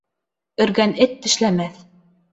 Өргән эт тешләмәҫ